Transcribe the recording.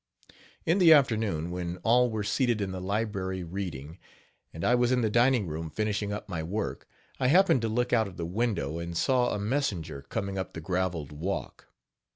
H2> In the afternoon, when all were seated in the library reading, and I was in the dining room, finishing up my work, I happened to look out of the window, and saw a messenger coming up the graveled walk.